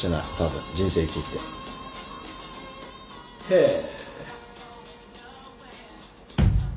へえ。